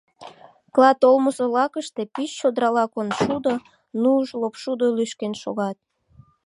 Клат олмысо лакыште пич чодрала коншудо, нуж, лопшудо лӱшкен шогат.